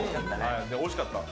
おいしかった。